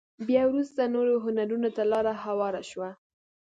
بيا وروسته نورو هنرونو ته لاره هواره شوه.